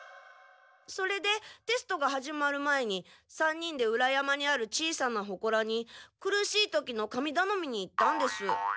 それでテストが始まる前に３人で裏山にある小さなほこらに苦しい時の神だのみに行ったんです。